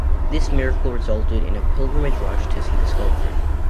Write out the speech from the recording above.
This miracle resulted in a pilgrimage rush to see the sculpture.